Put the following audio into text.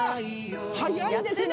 早いですね。